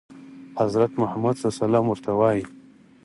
حضرت محمد ورته وايي.